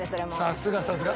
さすがさすが。